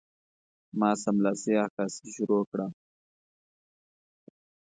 ما سملاسي عکاسي شروع کړه.